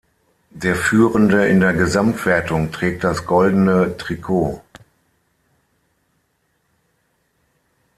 Der Führende in der Gesamtwertung trägt das «Goldene Trikot».